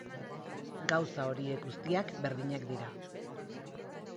Gauza horiek guztiak berdinak dira.